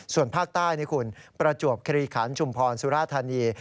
ส่วนภาคใต้นี่คุณประจวบคลีขันชุมพรสุราธานี